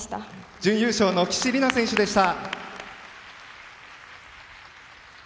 準優勝の岸里奈選手でした。